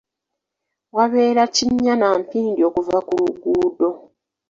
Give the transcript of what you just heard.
Wabeera kinnya na mpindi okuva ku luguudo.